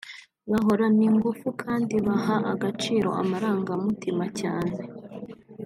bahorana ingufu kandi baha agaciro amarangamutima cyane